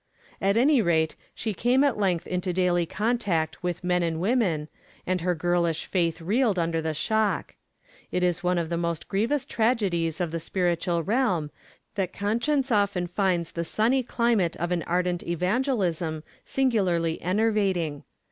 At any rate, she came at length into daily contact with men and women, and her girlish faith reeled under the shock. It is one of the most grievous tragedies of the spiritual realm that conscience often finds the sunny climate of an ardent evangelism singularly enervating.